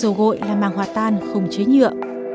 viên dầu gội là màng hỏa tan không chế nhựa